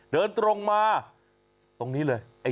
เดินตรงมาตรงนี้เลย